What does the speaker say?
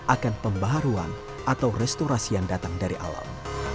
akan pembaharuan atau restorasi yang datang dari alam